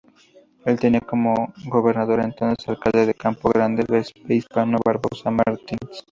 Él tenía como gobernador entonces alcalde de Campo Grande, Vespasiano Barbosa Martins.